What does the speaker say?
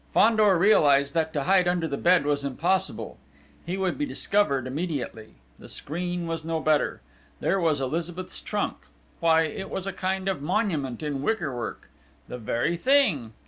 Fandor realised that to hide under the bed was impossible: he would be discovered immediately.... The screen was no better!... There was Elizabeth's trunk!... Why, it was a kind of monument in wicker work! The very thing!